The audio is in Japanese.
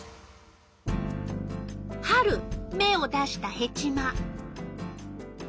春芽を出したヘチマ。